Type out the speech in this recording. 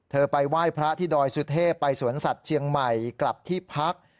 ไปไหว้พระที่ดอยสุเทพไปสวนสัตว์เชียงใหม่กลับที่พัก